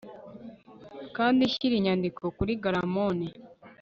Kandi shyira inyandiko kuri grammone